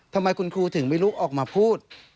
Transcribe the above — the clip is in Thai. ทำไมคุณครูถึงไม่ลุกออกมาพูด